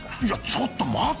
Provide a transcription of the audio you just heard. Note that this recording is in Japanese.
ちょっと待て。